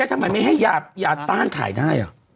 ทำไมไม่ให้ยาต้านขายได้